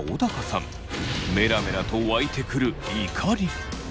メラメラと湧いてくる怒り。